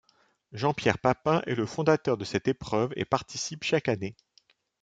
Jean-Pierre Papin est le fondateur de cette épreuve et participe chaque année.